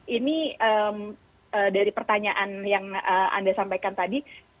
ini dari pertanyaan yang anda sampaikan tadi